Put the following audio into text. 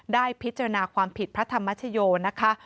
ได้พิจารณาความผิดพระธรรมชโยนะคะ